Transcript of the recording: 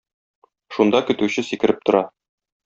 Шунда көтүче сикереп тора.